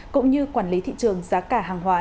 cũng như quản lý thị trường giá cả hàng hóa